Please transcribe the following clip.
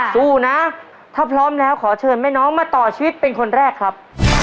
สู้นะถ้าพร้อมแล้วขอเชิญแม่น้องมาต่อชีวิตเป็นคนแรกครับ